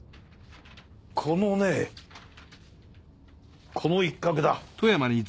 このねこの一画だ。